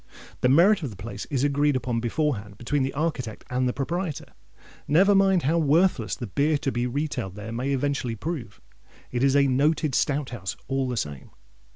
The merit of the place is agreed upon beforehand between the architect and the proprietor. Never mind how worthless the beer to be retailed there may eventually prove, it is a Noted Stout House all the same!